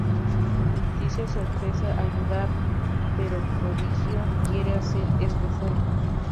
Justicia se ofrece a ayudar, pero Prodigio quiere hacer esto solo.